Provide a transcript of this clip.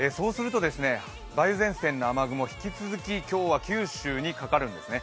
梅雨前線の雨雲、引き続き今日は九州にかかるんですね。